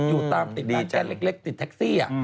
อยู่ตามติดแก๊สเล็กติดแท็กซี่